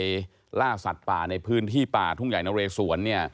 ล่าสัตว์ป่าในพื้นที่ป่าทุ่งใหญ่นเรสวน